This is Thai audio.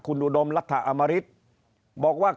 คุณอุดมรัฐอมริตบอกว่า